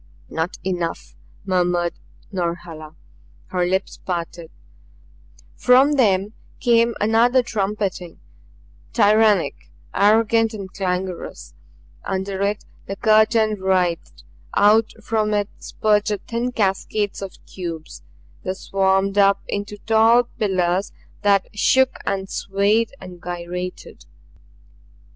"Not enough!" murmured Norhala. Her lips parted; from them came another trumpeting tyrannic, arrogant and clangorous. Under it the curtaining writhed out from it spurted thin cascades of cubes. They swarmed up into tall pillars that shook and swayed and gyrated.